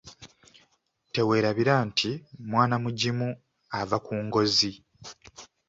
Teweelabira nti mwana mugimu ava ku ngozi.